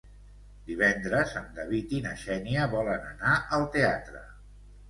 Divendres en David i na Xènia volen anar al teatre.